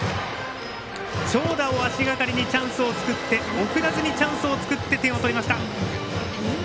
長打を足がかりにチャンスを作って送らずにチャンスを作って点を取りました。